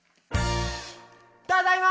ただいま！